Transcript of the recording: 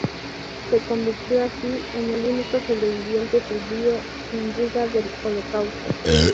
Se convirtió, así, en el único sobreviviente judío en Riga del Holocausto.